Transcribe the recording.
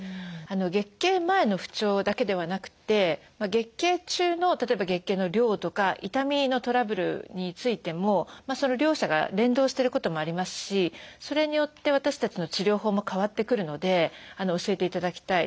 月経前の不調だけではなくて月経中の例えば月経の量とか痛みのトラブルについてもその両者が連動してることもありますしそれによって私たちの治療法も変わってくるので教えていただきたい。